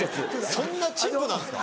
そんな陳腐なんですか？